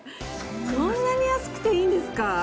そんなに安くていいんですか？